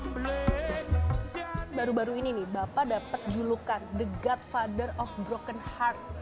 plus baru baru ini nih bapak dapat julukan the godfather of broken heart